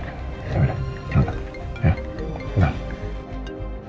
ya udah yaudah yaudah